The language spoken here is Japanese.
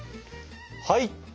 はい！